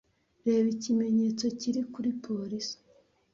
Reba ikimenyetso kiri kuri police.